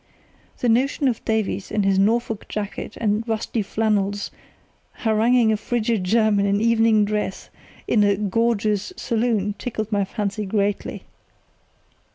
The notion of Davies in his Norfolk jacket and rusty flannels haranguing a frigid German in evening dress in a "gorgeous" saloon tickled my fancy greatly.